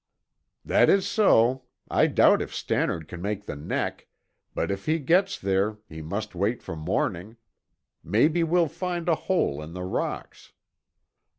"That is so. I doubt if Stannard can make the neck, but if he gets there, he must wait for morning. Maybe we'll find a hole in the rocks."